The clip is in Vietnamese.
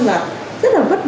và rất là vất vọng